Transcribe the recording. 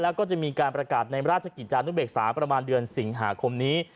แล้วก็จะมีการประกาศในราชกิจจานุเบกษาประมาณเดือนสิงหาคมนี้